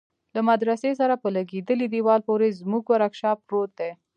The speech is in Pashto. له مدرسه سره په لگېدلي دېوال پورې زموږ ورکشاپ پروت دى.